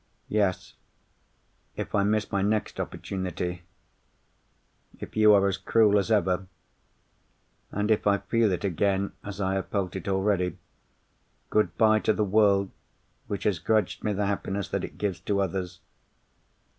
"Yes. If I miss my next opportunity—if you are as cruel as ever, and if I feel it again as I have felt it already—good bye to the world which has grudged me the happiness that it gives to others.